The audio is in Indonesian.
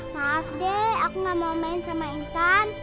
maaf deh aku gak mau main sama intan